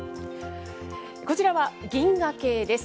こちらは銀河系です。